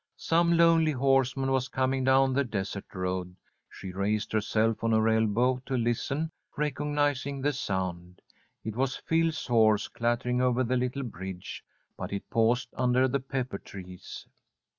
Some lonely horseman was coming down the desert road. She raised herself on her elbow to listen, recognizing the sound. It was Phil's horse clattering over the little bridge. But it paused under the pepper trees.